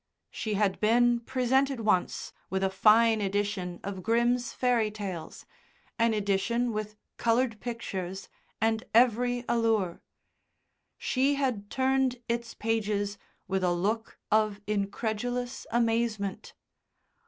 She had been presented once with a fine edition of "Grimm's Fairy Tales," an edition with coloured pictures and every allure. She had turned its pages with a look of incredulous amazement.